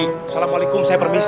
assalamualaikum saya permisi